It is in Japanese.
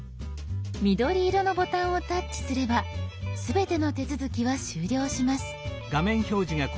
緑色のボタンをタッチすれば全ての手続きは終了します。